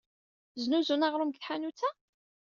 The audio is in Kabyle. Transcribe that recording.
Zznuzun aɣrum deg tḥanut-a?